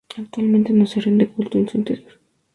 Actualmente no se rinde culto en su interior.